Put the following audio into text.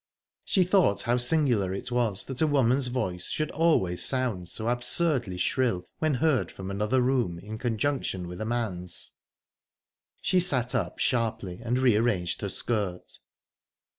She thought how singular it was that a woman's voice should always sound so absurdly shrill when heard from another room in conjunction with a man's. She sat up sharply and rearranged her skirt.